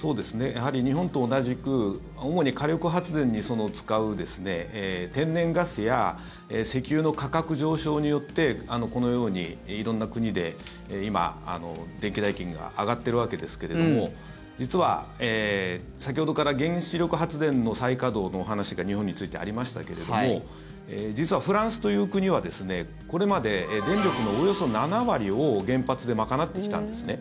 やはり日本と同じく主に火力発電に使う天然ガスや石油の価格上昇によってこのように色んな国で今、電気代金が上がってるわけですけれども実は、先ほどから原子力発電の再稼働の話が日本についてありましたけれども実はフランスという国はこれまで電力のおよそ７割を原発で賄ってきたんですね。